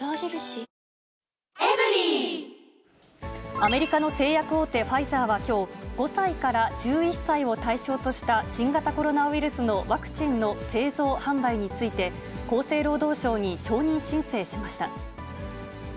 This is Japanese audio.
アメリカの製薬大手、ファイザーはきょう、５歳から１１歳を対象とした新型コロナウイルスのワクチンの製造販売について、厚生労働省に承認申請しました。